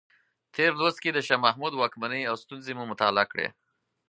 تېر لوست کې د شاه محمود واکمنۍ او ستونزې مو مطالعه کړې.